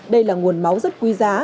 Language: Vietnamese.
đây là nguồn máu rất quý giá